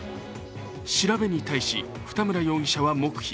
調べに対し二村容疑者は黙秘。